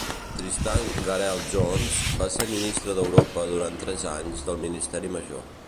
Tristan Garel-Jones va ser ministre d'Europa durant tres anys del Ministeri major.